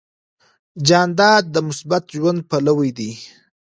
جانداد د مثبت ژوند پلوی دی.